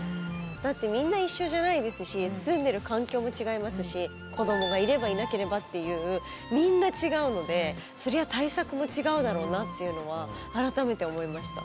だってみんな一緒じゃないですし住んでる環境も違いますし子どもがいればいなければっていうみんな違うのでそりゃ対策も違うだろうなっていうのは改めて思いました。